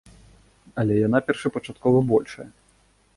Але яна першапачаткова большая.